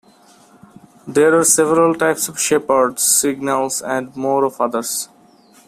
There are several types of shepherd's signals and more of others.